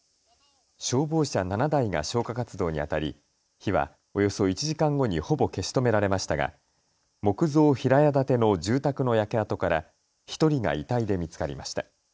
消防車７台が消火活動にあたり火はおよそ１時間後にほぼ消し止められましたが木造平屋建ての住宅の焼け跡から１人が遺体で見つかりました。